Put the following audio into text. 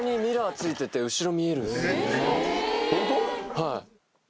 はい。